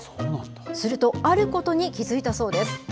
すると、あることに気付いたそうです。